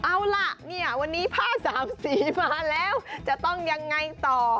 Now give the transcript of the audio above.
เอาล่ะเนี่ยวันนี้ผ้าสามสีมาแล้วจะต้องยังไงต่อ